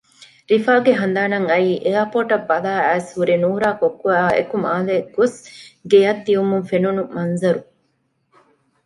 ރިފާގެ ހަނދާނަށް އައީ އެއާޕޯޓަށް ބަލާއައިސް ހުރި ނޫރާ ކޮއްކޮއާއެކު މާލެ ގޮސް ގެޔަށް ދިއުމުން ފެނުނު މަންޒަރު